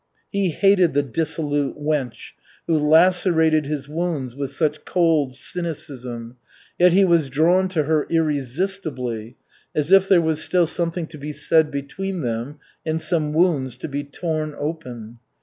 He hated the "dissolute wench," who lacerated his wounds with such cold cynicism, yet he was drawn to her irresistibly, as if there was still something to be said between them and some wounds to be torn open.